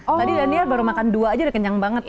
tadi daniel baru makan dua aja udah kenyang banget